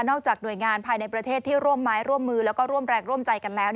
จากหน่วยงานภายในประเทศที่ร่วมไม้ร่วมมือแล้วก็ร่วมแรงร่วมใจกันแล้ว